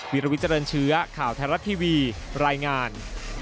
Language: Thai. วิลวิเจริญเชื้อข่าวไทยรัฐทีวีรายงาน